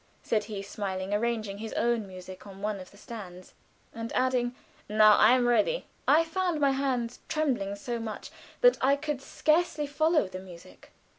_" said he, smiling, arranging his own music on one of the stands and adding, "Now I am ready." I found my hands trembling so much that I could scarcely follow the music.